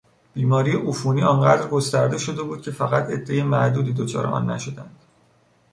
بیماری عفونی آنقدرگسترده شده بود که فقط عدهی معدودی دچار آن نشدند.